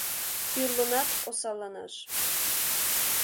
Тӱрлынат осалланаш.